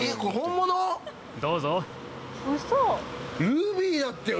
ルビーだってよ